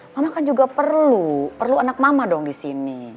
mama kan juga perlu perlu anak mama dong disini